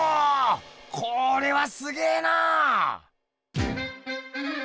これはすげぇな！